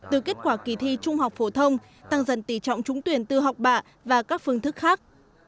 từ kết quả kỳ thi trung học phổ thông tăng dần tỷ trọng trúng tuyển từ học bạ và các phương thức khác